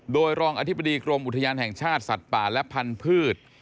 โดยรองอธิบดีกรมอุทยานแห่งชาติสัตว์ป่าและพันธุ์